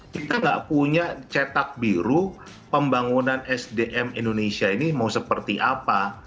kita nggak punya cetak biru pembangunan sdm indonesia ini mau seperti apa